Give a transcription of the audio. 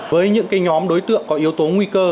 với những nhóm đối tượng có yếu tố nguy cơ